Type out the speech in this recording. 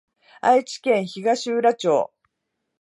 愛知県東浦町